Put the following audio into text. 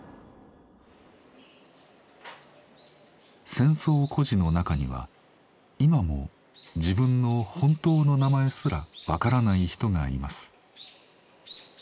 戦争孤児の中には今も自分の本当の名前すらわからない人がいます。